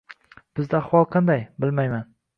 Bizda ahvol qanday? Bilmayman